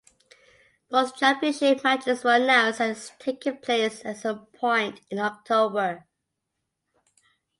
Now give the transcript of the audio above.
Both championship matches were announced as taking place at some point in October.